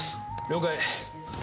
了解。